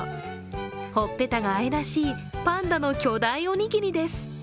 ほっぺたが愛らしいパンダの巨大おにぎりです。